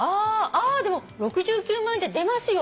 あっでも６９万円って出ますよ」